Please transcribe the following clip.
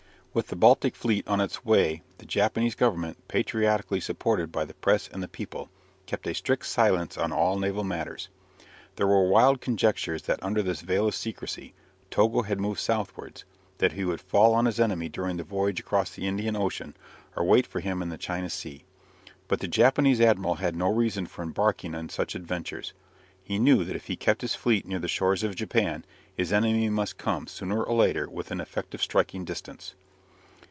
While the Baltic fleet was on its way the Japanese Government, patriotically supported by the Press and the people, kept a strict silence on all naval matters. There were wild conjectures that under this veil of secrecy Togo had moved southwards, that he would fall on his enemy during the voyage across the Indian Ocean, or wait for him in the China Sea. But the Japanese admiral had no reason for embarking in such adventures. He knew that if he kept his fleet near the shores of Japan his enemy must come sooner or later within effective striking distance.